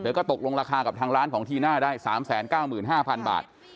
เดี๋ยวก็ตกลงราคากับทางร้านของทีน่าได้๓๙๕๐๐๐บาท